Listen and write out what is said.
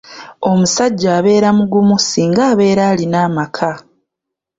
Omusajja abeera mugumu singa abeera alina amaka.